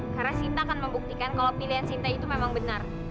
karena cinta akan membuktikan kalau pilihan cinta itu memang benar